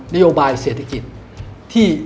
นโยบายเศรษฐกิจที่